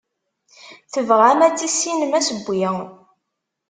Tebɣam ad tissinem asewwi.